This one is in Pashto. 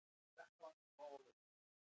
مځکه د بایوډایورسټي لوی مرکز دی.